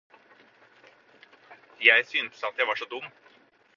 Jeg syntes at jeg var så dum.